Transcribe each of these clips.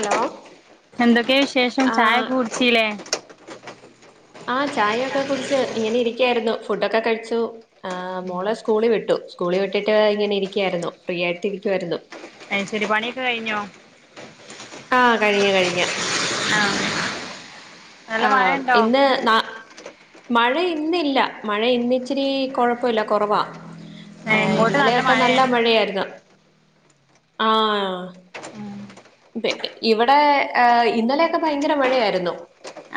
Hello എന്തൊക്കെ വിശേഷം ആ ചായൊക്കെ കുടിച്ചീലെ. ആഹ് ചായയൊക്കെ കുടിച്ച് ഇങ്ങനെ ഇരിക്കായിരുന്നു ഫുഡൊക്കെ കഴിച്ചു ആഹ് മോളെ സ്കൂളി വിട്ടു. സ്കൂളി വിട്ടിട്ട് ഇങ്ങനെ ഇരിക്കായിരുന്നു. ഫ്രീയായിട്ടിരിക്കുവായിരുന്നു. അയ് ശെരി പണിയൊക്കെ കഴിഞ്ഞോ? ആഹ് കഴിഞ്ഞ് കഴിഞ്ഞ് ആഹ് നല്ല ആ മഴയുണ്ടോ പിന്നെ നാ - മഴ ഇന്നില്ല മഴ ഇന്നച്ചിരി കൊഴപ്പമില്ല കൊറവാ ഏ ഏഹ് ഇങ്ങോട്ട് ഇന്നലെയൊക്കെ നല്ല മഴയാണ് മഴയായിരുന്നു ആഹ് ഇവിടെ ഇന്നലെയൊക്കെ ഭയങ്കര മഴയായിരുന്നു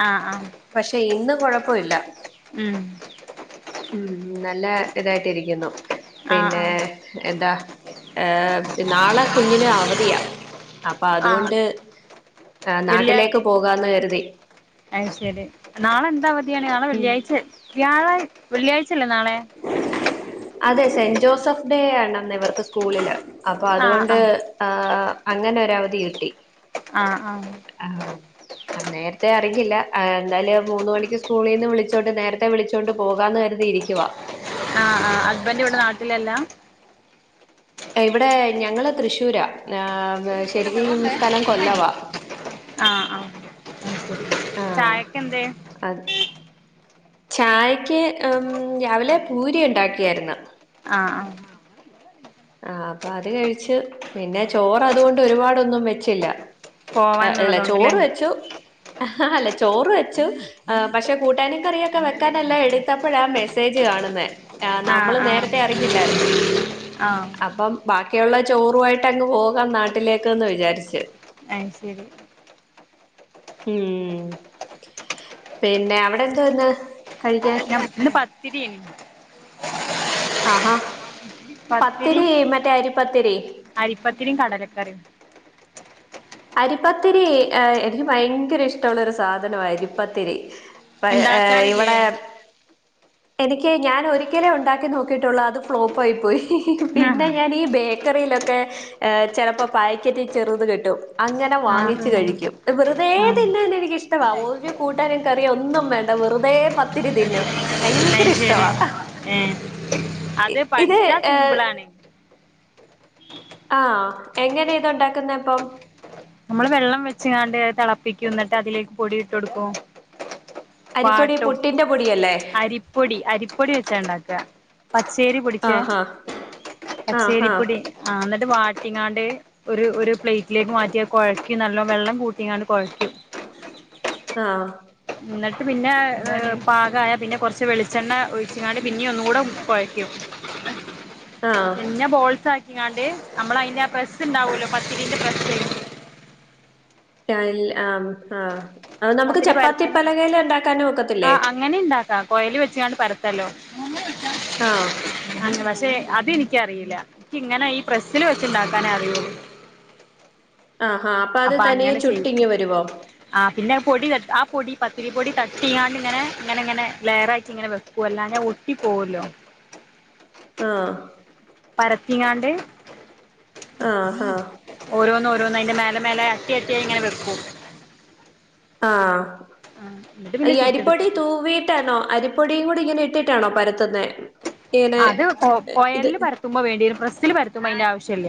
ആഹ് ആഹ് പക്ഷെ ഇന്ന് കൊഴപ്പവില്ല ഉം ഉം നല്ല ഇതായിട്ടിരിക്കുന്നു ആഹ് പിന്നെ ആഹ് എന്താ ഏഹ് നാളെ കുഞ്ഞിന് അവധിയാ അപ്പൊ ആഹ് അതുകൊണ്ട് വെള്ളിയാഴ് നാട്ടിലേക്ക് പോകാന്ന് കരുതി അയ് ശരി നാളെ എന്താ അവതിയാണ് നാളെ ഉം വെള്ളിയാഴ്ച വ്യാഴാ വെള്ളിയാഴ്ച അല്ലേ നാളെ അതെ സെന്റ് ജോസഫ് ഡേ ആണ് അന്ന് ഇവർക്ക് സ്കൂളില് അപ്പൊ ആഹ് അതുകൊണ്ട് ആഹ് ആഹ് അങ്ങനെ ഒര് അവധി കിട്ടി ആഹ് ആഹ് ആഹ് നേരത്തെ അറിഞ്ഞില്ല എന്നന്തായല് മൂന്ന് മണിക്ക് സ്കൂളിൽ നിന്ന് വിളിച്ചോണ്ട് നേരത്തെ വിളിച്ച് വിളിച്ചൊണ്ട് പോകാന്ന് കരുതിയിരിക്കുവ ആ ആഹ് ഹസ്ബന്റ്‌ ഇവിടെ നാട്ടിലല്ലാ ഇവിടെ ഞങ്ങള് തൃശ്ശൂരാ ആഹ് ശരിക്കും സ്ഥലം കൊല്ലവാ ആഹ് ചായക്കെ എന്തെ അത് ചായക്ക് രാവിലെ പൂരി ഉണ്ടാക്കിയായിരുന്ന ആഹ് ആഹ് ആ അപ്പൊ അത് കഴിച്ച് പിന്നെ ചോറ് അതുകൊണ്ട് ഒരുപാടൊന്നും വെച്ചില്ല അല്ല പോവാനുള്ളതോണ്ട്ല്ലേ ചോറ് വെച്ചു അല്ല ചോറ് വെച്ചു ആ പക്ഷെ കൂട്ടാനും കറിയൊക്കെ വെക്കാാനല്ലോ എടുത്തപ്പോഴാ മെസ്സേജ് കാണുന്നെ ആ ആഹ് നമ്മള് ആഹ് നേരത്തെ അറിഞ്ഞില്ലായിരുന്നു ആഹ് അപ്പം ബാക്കിയുള്ള ചോറു ആയിട്ട് അങ്ങ് പോകാം നാട്ടിലേക്ക്ന്ന് വിചാരിച്ചു അയ് ശരി ഉം പിന്നെ അവിടെ എന്തോ ഇന്ന് കഴിക്കാൻ ഇന്ന് പത്തിരിയെയ്നി ആഹ് ആഹാ പത്തിരി മറ്റേ അരിപ്പത്തിരി അരിപ്പത്തിരിയും കടലക്കറിയും അരിപ്പത്തിരി എനിക്ക് ഭയങ്കരം ഇഷ്ടമുള്ള ഒരു സാധനമാണ് അരിപ്പത്തിരി പ ഏ ഇണ്ടാക്കാറില്ലേ ഇവിടെ എനിക്ക് ഞാൻ ഒരിക്കലേ ഉണ്ടാക്കി നോക്കിയിട്ടുള്ളൂ അത് ഫ്ലോപ്പ് ആയി പോയി പിന്നെ ആഹ് ഞാൻ ഈ ബേ ബേക്കറിയിലൊക്കെ് ചിലപ്പോ പാക്കറ്റ് ചെറുത് കിട്ടും അങ്ങനെ ആഹ് വാങ്ങിച്ച് കഴിക്കും ആഹ് ആഹ് വെറുതെതിനാൻ എനിക്കിഷ്ടം ഇഷ്ടവാ ഒരു കൂട്ടാനും കറിയു ഒന്നും വേണ്ട വെറുതെ പത്തിരി തിന്നും അയ് ഭയങ്കരം ശരി ഇഷ്ടവാ ഏഹ് അത് ഇത് പഠിച്ചാ ഏഹ് സിമ്പിളാണ് ആഹ് എങ്ങനെ ഇത് ഇണ്ടാക്കുന്ന അപ്പം നമ്മള് വെള്ളം വെച്ചാണ്ട് അത് തിളപ്പിക്കും എന്നിട്ട് അതിലേക്ക് പൊടി ഇട്ട് കൊടുക്കും അരിപ്പൊടി വാട്ടും പുട്ടിന്റെ പൊടിയല്ലേ? അരിപ്പൊടി അരിപ്പൊടി വെച്ചാ ഉണ്ടാക്കാ പച്ചേരിപ്പൊടിച്ചേ ആഹ് ആഹ് ആഹ് പച്ചേരിപ്പൊടി ആഹ് ആ ഇന്നിട്ട് വാട്ടിങ്ങാണ്ട് ഒരു ഒരു പ്ലേറ്റിലേക്ക് മാറ്റി കുഴക്കും നല്ലോ വെള്ളം കൂട്ടിങ്ങാണ്ട് കുഴയ്ക്കും ആഹ് എന്നിട്ട് പിന്നെ പാകായ പിന്നെ കുറച്ച് വെളിച്ചെണ്ണ ഒഴിച്ചിക്കാണ്ട് പിന്നെ ഒന്ന് കൂടെ കുഴയ്ക്കും. ആഹ് പിന്നെ ബോൾസ് ആക്കിങ്ങാണ്ട് നമ്മള അതിന്റെ പ്രസ് ഉണ്ടാവല്ലോ പത്തിരിന്റെ പ്രസ് കൽ ആ ആ അത് നമുക്ക് പത്തിരി പരത്തണ ചപ്പാത്തിപ്പലകയില് ഉണ്ടാക്കാനും ആ ഒക്കത്തില്ലേ? അങ്ങനെ ഇണ്ടാക്കാ കോയൽ വെച്ചാണ്ട് പരത്തല്ലോ. ആഹ് അ പക്ഷെ അതെനിക്കറിയില്ല എനിക്ക് ഇങ്ങനെ ഈ പ്രസ്സിൽ വെച്ചുണ്ടാക്കാനേ അറിയെള്ളൂ ആഹ് ആഹ് അപ്പൊ അത് തനിയെ ചുട്ടിങ്ങ് വരുവോ. ആഹ് പിന്നെ പൊടി തട്ട് ആ പൊടി പത്തിരി പൊടി തട്ടിയാണ്ട് ഇങ്ങനെ ഇങ്ങനെ ഇങ്ങനെ ലെയറായിട്ടിങ്ങനെ വെക്ക് വല്ലാന ഒട്ടി പോവല്ലോ ആഹ് പരത്തിങ്ങാണ്ട് ആഹ് ആഹ് ഓരോന്നോരോന്ന് അയ്ന്റെ മേലെ മേലെ അട്ടി അട്ടിയായി ഇങ്ങനെ വെക്കും. ആഹ് ആഹ് എന്നിട്ട് ഈ പിന്നെ അരിപ്പൊടി ചുട്ടെടുക്കും തൂവി ട്ടാണോ അരിപ്പൊടിയും കൂടി ഇങ്ങനെ ഇട്ടിട്ടാണോ പരത്തുന്നെ ഇങ്ങനെ അത് ഇത് കൊയലില് പരത്തുമ്പോ വേണ്ടിയരും പ്രസ്സില് പരത്തുമ്പോ അയ്ന്റെ ആവശ്യം ഇല്ല.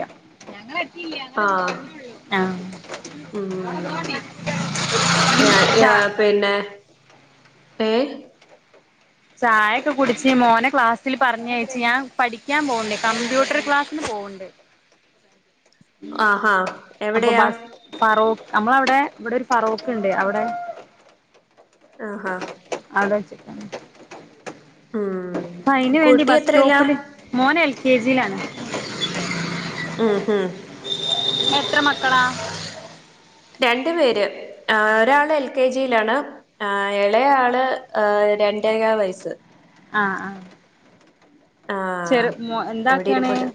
ഞങ്ങളെത്തില്ല ഞങ്ങൾ ആഹ് പോരുന്നൊള്ളു. യ യ പിന്നെ ഏ ചായൊക്കെ കുടിച്ച് മോനെ ക്ലാസ്സിൽ പറഞ്ഞയച്ച് ഞാൻ പഠിക്കാൻ പോക്ണ്ട് കമ്പ്യൂട്ടർ ക്ലാസ്സിന് പോ ഉണ്ട്. ആഹ് ആഹ് അപ്പൊ എവിടെയാ ബസ് ഫറോക്ക് നമ്മള അവ്ടെ ഇവിടെ ഒരു ഫറോക്ക്ണ്ട് അവടെ ആഹ് ആഹ് അവ്ടെ വെച്ചിട്ടാണ്. ഉം അയ്ന് വേണ്ടി കുട്ടി ബസ് എത്രയിലാ സ്റ്റോപ്പില് മോന് എൽ കെ ജിയിലാണ്. ഉം ഉം എത്ര മക്കളാ. രണ്ട് പേര് ഒരാള് എൽ കെ ജിയിലാണ് ഇളയ ആള് രണ്ടേകാൽ വയസ്സ് ആഹ് ആഹ് ആഹ് ചെറു മോ ഇവിടെ എന്താക്കാണ് ഇരിപ്പുണ്ട്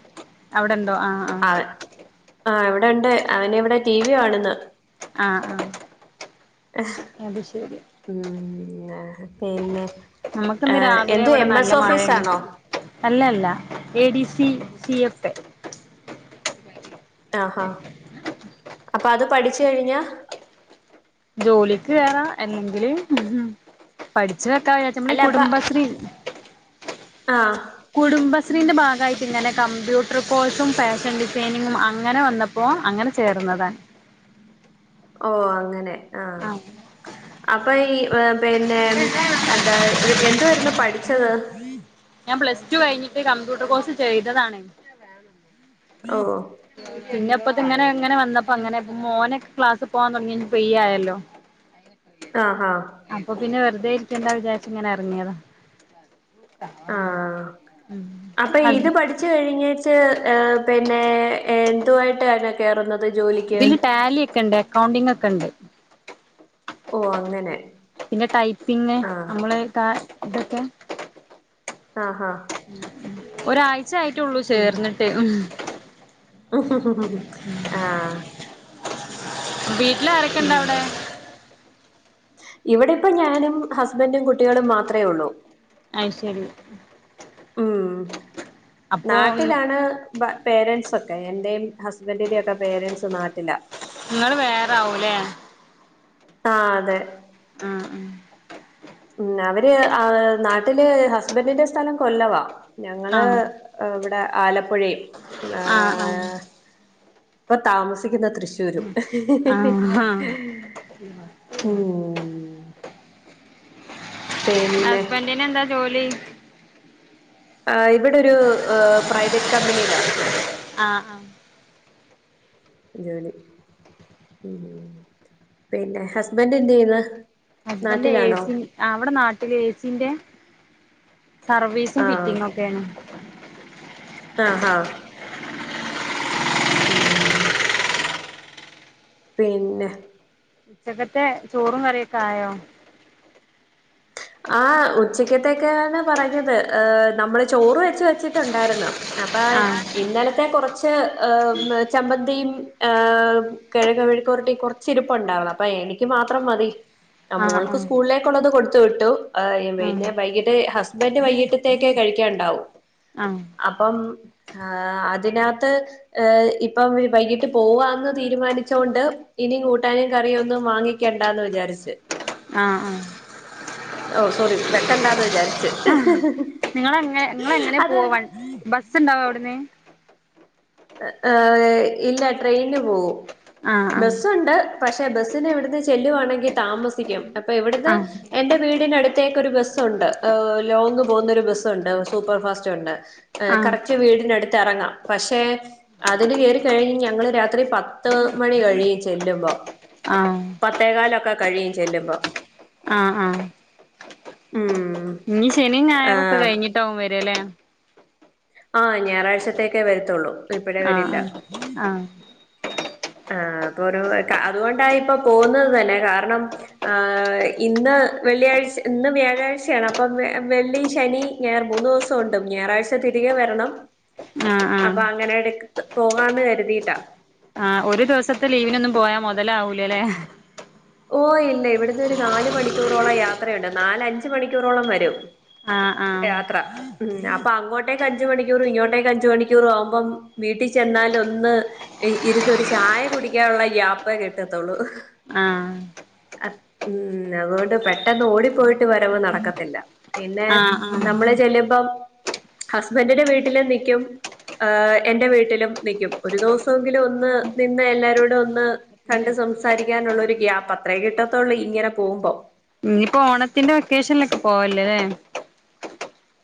അവിടെണ്ടോ ആഹ് ആഹ് അവൻ ആഹ് ഇവിടെണ്ട് അവന് ഇവിടെ ടി വി കാണുന്നു. ആഹ് ആഹ് അത് ശെരി. ഉം പിന്നെ നമുക്കിന്ന് രാവിലെ എന്ത് ഇവിടെ എം നല്ല എസ് മഴയാണ് ഓഫീസാണോ? അല്ലല്ല A D C. C F A ആഹ് ഹ അപ്പൊ അത് പഠിച്ച് കഴിഞ്ഞ ജോലിക്ക് കേറ അല്ലങ്കില് പഠിച്ചു വെക്കാ വിചാ നമ്മളെ അല്ല അപ്പ കുടുംബശ്രീ ആഹ് കുടുംബശ്രീന്റെ ഭാഗായിട്ട്ങ്ങനെ കമ്പ്യൂട്ടർ കോഴ്സും ഫാഷൻ ഡിസൈനിങ്ങും അങ്ങനെ വന്ന പ്പോ അങ്ങനെ ചേർന്നതാണ്. ഓ അങ്ങനെ ആഹ് അപ്പൊ ഈ പിന്നെ എന്താ എന്ത് വായിരുന്നു പഠിച്ചത്. ഞാൻ പ്ലസ് ടു കഴിഞ്ഞിട്ട് കമ്പ്യൂട്ടർ കോഴ്സ് ചെയ്തതാണ്. ഓ പിന്നെപ്പത് ഇങ്ങനെ ഇങ്ങനെ വന്നപ്പോ അങ്ങനെ ബ് മോനൊക്കെ ക്ലാസ് പോവാൻ തൊട്ങ്ങി കഴിഞ്ഞാ ഫ്രീ ആയല്ലോ. ആഹ് ആഹ് അപ്പൊ പിന്നെ വെറുതേ ഇരിക്കണ്ടാ വിചാരിച്ച്ങ്ങനെ അർങ്ങിയതാ ആഹ് അപ്പൊ ഇത് ഹസ് പഠി ജ്ജ്കഴിഞ്ഞായ്ച ഏ പിന്നെ എന്തുവായിട്ടാണ് കേറുന്നത്. ജോലിക്ക് ഇതീ ടാലി ഒക്കെ ഇണ്ട് അക്കൗണ്ടിംഗ് ഒക്കെ ഇണ്ട് ഓ അങ്ങനെ പിന്നെ ടൈപ്പിങ് ആഹ് നമ്മള് താ ഇതൊക്കെ ആഹ് ആഹ് ഒരാഴ്ചായിട്ടൊള്ളൂ ചേർന്നിട്ട് ഹും വീട്ടിലാരാ ഉം ഇവടെ ഇപ്പം ഞാനും ഹസ്ബൻറ്റും കുട്ടികളും മാത്രേ ഒള്ളൂ അയ്ശെരി ഉം അപ്പൊ നാട്ടിലാണ് പേരൻസൊക്കെ എന്റേം ഹസ്ബന്റിന്റെക്കെ പേരന്റ്സ് നാട്ടിലാ ഇങ്ങള് വേറെ ആവൂലേ. ആഹ് അതെ ആഹ് ആഹ് ഉം അവര് ആഹ് നാട്ടില് ഹസ്ബന്റിന്റെ സ്ഥലം കൊല്ലവാ ഞങ്ങള് ആഹ് ഏഹ് ഇവ്ട ആലപ്പുഴേം ആഹ് ആഹ് ആഹ് ഏഹ് ഇപ്പ താമസിക്കുന്ന തൃശ്ശൂ ശുരും ആഹ് ആഹ് ഉം പിന്നെ ഹസ്ബന്റിന് എന്താ ജോലി? ആഹ് ഇവടൊരു ഏഹ് പ്രൈവറ്റ് കമ്പനിലാ ആഹ് ആഹ് ജോലി ഉം ഉം പിന്നെ ഹസ്ബന്റ് എന്ത് ചെയ്യന്ന് ഹസ്ബൻറ്റ് എസി അവടെ നാട്ടില് ഏസീന്റെ സർവീസും ആഹ് ഫിറ്റിങ്ങോ ക്കെയാണ് ആഹ് ആഹ് ഉം ഉം പിന്നെ ഉച്ചക്കത്തെ ചോറും കറിയൊക്കെ ആയോ? ആഹ് ഉച്ചക്കത്തേക്കാണ് പറഞ്ഞത് ഏഹ് നമ്മള് ചോറ് വെച്ച് വെച്ചിട്ടോണ്ടാരുന്നു അപ്പായ് ആഹ് ഇന്നലത്തെ കൊറച്ച് ഏഹ് ചമ്മന്തിയും ഏഹ് കേഴങ്ങ് മെഴുക്കോരട്ടിം കൊറ ച്ചിരുപ്പണ്ടാ [unintelligible] അപ്പോ എനിക്ക് മാത്രം മതി ആഹ് മോൾക്ക് സ്കൂളിലേക്കോള്ളത് കൊടുത്ത് വിട്ടു ഏഹ് പിന്നെ ആഹ് വൈകിട്ട് ഹസ് ബൻറ്റ് വൈകീട്ടത്തേക്ക് കഴിക്കാണ്ടാവു ആഹ് അപ്പം അതിനത്ത് ഏഹ് ഇപ്പം വൈകിട്ട് പോവാന്ന് തീരുമാനിച്ചൊണ്ട് ഇനി കൂട്ടാനും കറിയൊന്നും വാങ്ങിക്കണ്ടാന്ന് വിചാരിച്ച് ആഹ് ആഹ് ഓഹ് സോറി വെക്കണ്ടാന്ന് വിചാരിച്ച് ആഹ് നിങ്ങളെങ്ങനെ നിങ്ങള എങ്ങനെ അത് പോവ ബസ്ണ്ടാവോ അവിടന്ന് ഏഹ് ഇല്ല ട്രെയിന് പോവും ആഹ് ബസ്സൊണ്ട് പഷേ ബസ്സിന് ഇവിടുന്ന് ചെല്ലുവാണെങ്കി താമസിക്കും അപ്പൊ ഇവിടുന്ന് ആഹ് എന്റെ വീടിനടു ത്തേക്കൊരു ബസ്സൊണ്ട് ഏഹ് ലോങ് പോകുന്നൊരു ബസ്സൊണ്ട് സൂപ്പർഫാസ്റ്റ് ഒണ്ട് ഏഹ് ആഹ് കറക്റ്റ് വീടിനടുത്ത് എറങ്ങാം പഷേ അതിന് കേറി കഴിഞ്ഞ് ഞങ്ങള് രാത്രി പത്ത് മണി കഴിയും ചെല്ലുമ്പോ ആഹ് പത്തേകാലൊക്കെ കഴിയും ചെല്ലുമ്പൊ ആഹ് ആഹ് ഉം ഇനി ശനി ഞായറുക്കെ ആഹ് കഴിഞ്ഞിട്ടാവും വര്ല്ലേ ആഹ് ഞായറാഴ്ചത്തേക്കേ വരത്തൊള്ളൂ. ആഹ് ആഹ് ആഹ് ആഹ് തോരം അത് കൊണ്ടായിപ്പൊ പോവുന്നത് തന്നെ കാരണം ആ ഇന്ന് വെള്ളിയാഴ്ച ഇന്ന് വ്യാഴാഴ്ചയാണ് അപ്പം വെള്ളി ശനി ഞായർ മൂന്ന് ദിവസോണ്ട് ഞായറാഴ്ച തിരികെ വരണം. ആഹ് അപ്പ ആഹ് അങ്ങനെടക്ക് പോകാന്ന് കര്തീട്ടാ ആഹ് ഒരു ദിവസത്തെ ലീവിനൊന്നും പോയാ മൊതലാവൂല്യ ലേ ഓഹ് ഇല്ല ഇവിടന്ന് ഒരു നാല് മണിക്കൂറോളം യാത്രയുണ്ട് നാല അഞ്ച് മണിക്കൂറോളം വരും. ആഹ് ആഹ് യാത്ര ഉം അപ്പ അങ്ങോട്ടേക്ക് അഞ്ച് മണിക്കൂറും ഇങ്ങോട്ടേക്ക് അഞ്ച് മണിക്കൂറും ആവുമ്പം വീട്ടിൽ ചെന്നാൽ ഒന്ന് ഈ ഇരുന്ന് ഒരു ചായ കുടിക്കാനുള്ള ഗ്യാപ്പേ കിട്ടത്തൊള്ളൂ. ആഹ് അഹ് ഉം അതോണ്ട് പെട്ടെന്ന് ഓടിപ്പോയിട്ട് വരവ് നടക്കത്തില്ല പിന്നെ ആഹ് ആഹ് നമ്മള് ചെല്ലുമ്പം ഹസ്ബൻഡിന്റെ വീട്ടിലും നിക്കും ഏഹ് എന്റെ വീട്ടിലും നിക്കും ഒരു ദിവസോങ്കിലും ഒന്ന് നിന്ന് എല്ലാരോടും ഒന്ന് കണ്ട് സംസാരിക്കാനുള്ളൊരു ഗ്യാപ്പ് അത്രേ കിട്ടത്തോള്ളൂ ഇങ്ങനെ പോവുമ്പോ. ഇഞ്ഞിപ്പൊ ഓണത്തിന്റെ വെക്കേഷനിലൊക്കെ പോവല്ല ലേ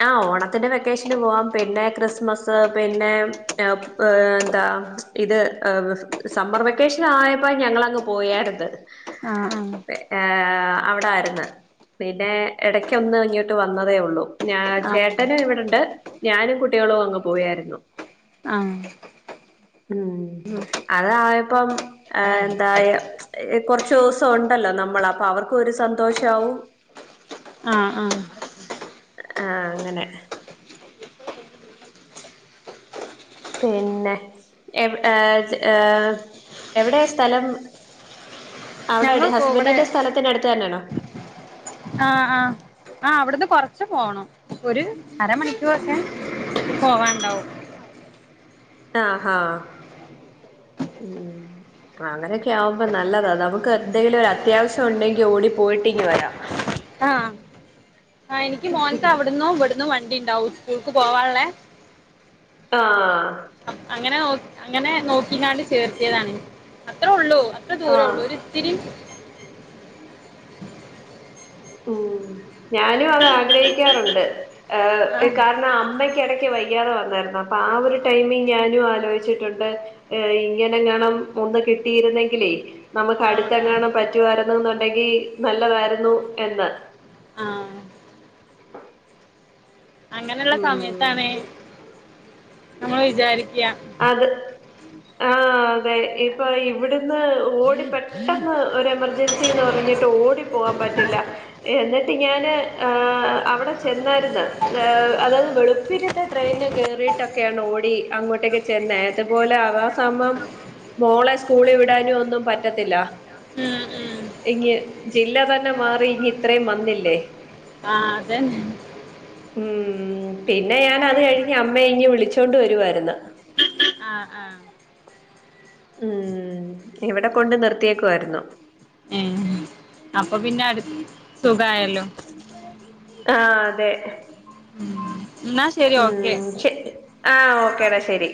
ആഹ് ഓണത്തിന്റെ വെക്കേഷന് പോവാം പിന്നെ ക്രിസ്മസ് പിന്നെ ഏഹ് പ് എന്താ ഇത് ഹ് സമ്മർ വെക്കേഷൻ ആയപ്പോ ഞങ്ങളങ്ങ് പോയാര്ന്ന് ആഹ് ഏ അവടാര്ന്ന് പിന്നെ എടക്ക് ഒന്ന് ഇങ്ങോട്ട് വന്നതേ ഒള്ളൂ. ഞാ ആഹ് ചേട്ടന് ഇവിടെണ്ട് ഞാനും കുട്ടികളും അങ്ങ് പോയാരുന്നു. ആഹ് ഉം അതായപ്പം ഏ എന്തായ സ് കൊറച്ചൂസം ഉണ്ടല്ലോ നമ്മൾ അപ്പൊ അവർക്ക് ഒരു സന്തോഷാവും. ആഹ് ആഹ് ആ അങ്ങനെ പിന്നെ എഏ ഏ എവടെ സ്ഥലം അവടെ ടെ ഞങ്ങൾക്കും ഇവിടെ ഹസ്ബൻന്റിന്റെ സ്ഥലത്തിനടുത്ത് തന്നേണോ? ആഹ് ആഹ്. ആഹ് അവിടുന്ന് കൊറച്ച് പോണം ഒരു അരമണിക്കൂറൊക്കെ പോവാണ്ടാവും. ആഹ് ഹാ ഉം ഉം അങ്ങനെയൊക്കെ ആവുമ്പോ നല്ലതാ നമുക്ക് എന്തെങ്കിലും ഒരു അത്യാവശ്യം ഉണ്ടെങ്കി ഓടി പോയിട്ടിങ്ങ് വരാം. ആഹ് ആ എനിക്ക് മോന്‌ക്ക് അവിടന്നും ഇവിടുന്നും വണ്ടി ഇണ്ടാവും സ്കൂൾക്ക് പോവാള്ളേ ആഹ് അങ്ങനെ ഓക് അങ്ങനെ നോക്കീ ങ്ങാണ്ട് ചേർത്തിയതാണ് അത്രേ ഉള്ളൂ അത്ര ദൂരേ ഉള്ളൂ. ആഹ് ഒര് ത്തിരി ഉം ഞാനും അത് ആഗ്രഹിക്കാറുണ്ട്. ഏഹ് എ ആഹ് കാരണം അമ്മയ്ക്കടക്ക് വൈയ്യാതെ വന്നാരുന്നു അപ്പൊ ആ ഒരു ടൈമി ഞാനും ആലോയ്ച്ചിട്ടുണ്ട്. ഏ ഇങ്ങനെങ്ങണം ഒന്ന് കിട്ടിയിരുന്നെങ്കിലേയ് നമുക്ക് ആഹ് ആഹ് അടുത്തെങ്ങാണം പറ്റുവാരുന്നു ന്നുണ്ടെങ്കി നല്ലതാരുന്നു എന്ന് ആഹ് അങ്ങനെള്ള ഉം സമയത്താണ് നമ്മള് വിചാരിക്ക അത് ആഹ് അതെ ഇപ്പൊ ഇവിടുന്ന് ഓടി പെട്ടെന്ന് ഒരു എമർജൻസീന്ന് പറഞ്ഞിട്ട് ഓടി പോവാൻ പറ്റില്ല എന്നിട്ട് ഞാന് ആ അവടെ ചെന്നാരുന്ന്, ഏ അതായത് വെളുപ്പിന് ട്ടെ ട്രെയിൻ കേറിയിട്ടൊക്കെയാണ് ഓടി അങ്ങോട്ടേക്കെ ചെന്നേ അതുപോലെ ആവാസമം മോളെ സ്കൂളീ വിടാനൊന്നും പറ്റത്തില്ല ഉം ഉം ഇങ്ങ് ജില്ല തന്നെ മാറി ഇങ്ങ് ഇത്രയും വന്നില്ലേ അതെന്നെ ഉം പിന്നെ ഞാൻ അത് കഴിഞ്ഞ് അമ്മയെ ഇങ്ങ് വിളിച്ചോണ്ട് വരുവാരുന്ന് ആ ആ ഉം ഇവിടെ കൊണ്ട് നിർത്തിയേക്കുവായിരുന്നു ഏഹ് അപ്പൊ പിന്നെ [unintelligible] സുഖായല്ലോ ആ അതെ ന്നാ ഉം ച്ചെ ആ ഓക്കേടാ ശെരി